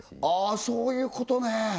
あそういうことね！